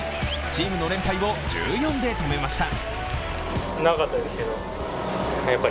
チームの連敗を１４で止めました。